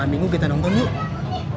dua minggu kita nonton yuk